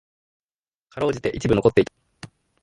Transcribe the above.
辛うじて一部残っていた。